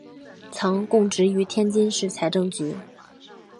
曾供职于天津市财政局。